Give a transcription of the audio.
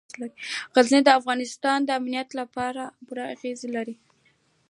غزني د افغانستان د امنیت په اړه هم پوره اغېز لري.